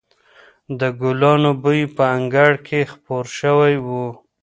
د ګلانو بوی په انګړ کې خپور شوی و.